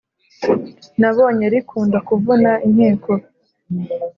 Nabonye rikunda kuvuna inkiko